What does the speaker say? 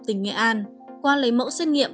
tỉnh nghệ an qua lấy mẫu xét nghiệm